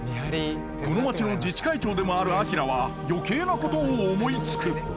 この町の自治会長でもある明は余計なことを思いつく！